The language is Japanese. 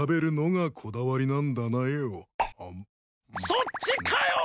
そっちかよ！